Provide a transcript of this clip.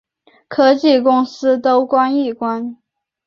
科技公司都关一关